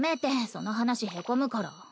その話へこむから。